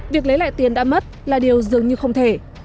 việc lấy lại tiền đã mất là điều dường như không thể